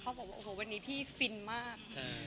บอกว่าโอ้โหวันนี้พี่ฟินมาก